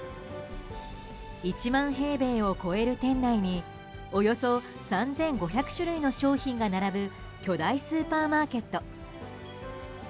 １万平米を超える店内におよそ３５００種類の商品が並ぶ巨大スーパーマーケット。